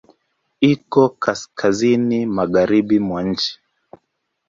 Iko kaskazini magharibi mwa nchi.